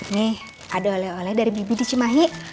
nih ada oleh oleh dari bibi dicimahi